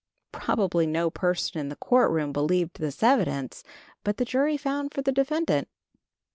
Probably no person in the court room believed this evidence, but the jury found for the defendant.